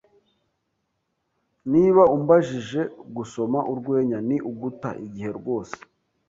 Niba umbajije, gusoma urwenya ni uguta igihe rwose.